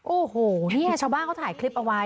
โอ้โหเนี่ยชาวบ้านเขาถ่ายคลิปเอาไว้